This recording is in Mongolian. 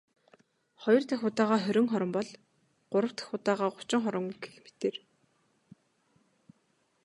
Хоёр дахь удаагаа хорин хором бол.. Гурав дахь удаад гучин хором гэх мэтээр.